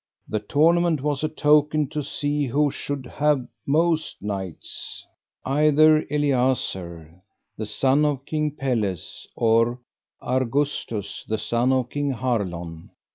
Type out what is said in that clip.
The tournament was a token to see who should have most knights, either Eliazar, the son of King Pelles, or Argustus, the son of King Harlon.